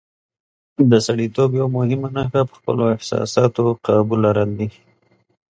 د سړیتوب یوه مهمه نښه په خپلو احساساتو قابو لرل دي.